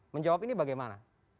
menjawab ini bagaimana